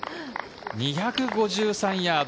２５３ヤード。